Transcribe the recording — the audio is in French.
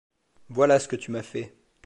Voilà ce que tu m’as fait.